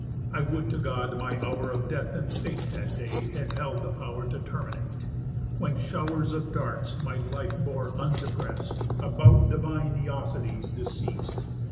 I would to God, my hour of death and fate That day had held the' pow'r to terminate, When show'rs of darts my life bore undepress'd About divine Æacides deceas'd!